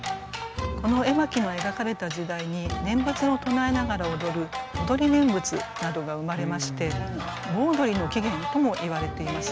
この絵巻の描かれた時代に念仏を唱えながら踊る「踊り念仏」などが生まれまして盆踊りの起源ともいわれています。